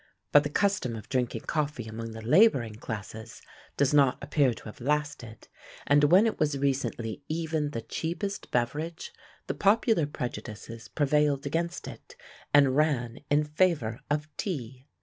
But the custom of drinking coffee among the labouring classes does not appear to have lasted; and when it was recently even the cheapest beverage, the popular prejudices prevailed against it, and ran in favour of tea.